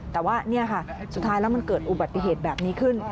แต่ว่านี่ค่ะสุดท้ายแล้วมันเกิดอุบัติเหตุแบบนี้ขึ้น